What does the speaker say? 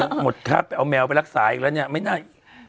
อุ้ยหมดครับเอาแมวไปรักษาอีกแล้วเนี่ยไม่ได้